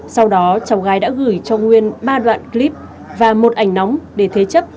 sau đó cháu gái đã gửi cho nguyên ba đoạn clip và một ảnh nóng để thế chấp